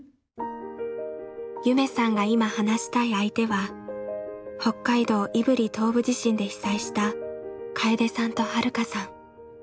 夢さんが今話したい相手は北海道胆振東部地震で被災した楓さんと遥さん。